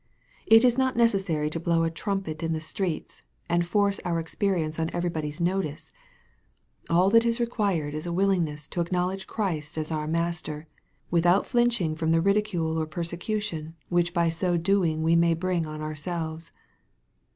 It is not necessary to blow a trumpet in the 102 EXPOSITORY THOUGHTS. streets, and force our experience on every body's notice All that is required is a willingness to acknowledge Christ as our Master, without flinching from the ridi cule or persecution which by so doing we may bring on ourselves.